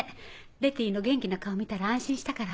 レティーの元気な顔を見たら安心したから。